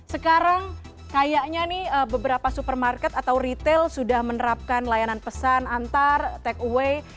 sekarang kayaknya nih beberapa supermarket atau retail sudah menerapkan layanan pesan antar take away